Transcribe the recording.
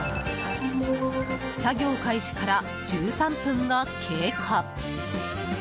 作業開始から１３分が経過。